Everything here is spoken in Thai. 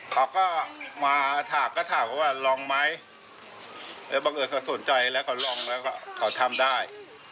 เขาก็มาถามก็ถามเขาว่าลองไหมแล้วบังเอิญเขาสนใจแล้วเขาลองแล้วก็เขาทำได้